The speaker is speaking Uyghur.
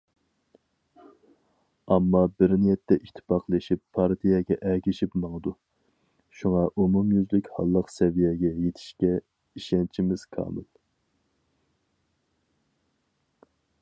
ئامما بىر نىيەتتە ئىتتىپاقلىشىپ پارتىيەگە ئەگىشىپ ماڭىدۇ، شۇڭا ئومۇميۈزلۈك ھاللىق سەۋىيەگە يېتىشكە ئىشەنچىمىز كامىل!